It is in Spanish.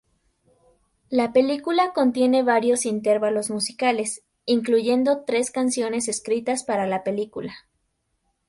La película contiene varios intervalos musicales, incluyendo tres canciones escritas para la película.